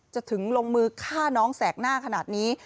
ถึงลงมือฆ่าน้องแสกหน้าขนาดนี้